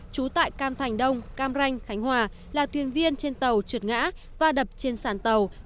trú tại cam thành đông cam ranh khánh hòa là thuyền viên trên tàu trượt ngã và đập trên sàn tàu